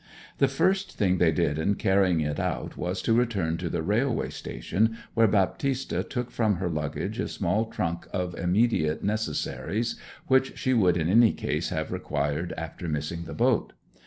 The first thing they did in carrying it out was to return to the railway station, where Baptista took from her luggage a small trunk of immediate necessaries which she would in any case have required after missing the boat.